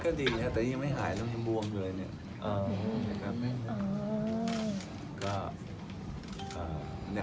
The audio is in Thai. ก็ดีนะครับแต่ยังไม่หายแล้วยังบวมอยู่เลยเนี่ย